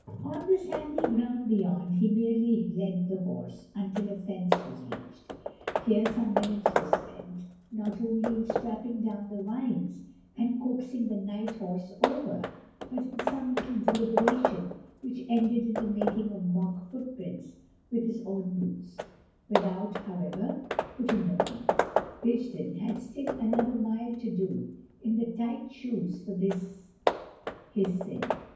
On the sandy ground beyond he merely led the horse until a fence was reached. Here some minutes were spent, not only in strapping down the wires and coaxing the night horse over, but in some little deliberation which ended in the making of mock footprints with his own boots, without, however, putting them on. Rigden had still another mile to do in the tight shoes for this his sin.